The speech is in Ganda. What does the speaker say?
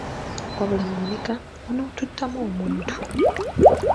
Wabula Monica onoottutamu omuntu.